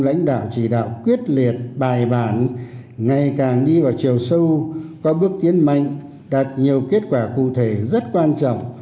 lãnh đạo chỉ đạo quyết liệt bài bản ngày càng đi vào chiều sâu có bước tiến mạnh đạt nhiều kết quả cụ thể rất quan trọng